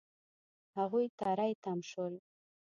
هغوی تری تم شول.